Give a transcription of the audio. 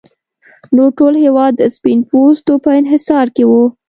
نور ټول هېواد د سپین پوستو په انحصار کې و.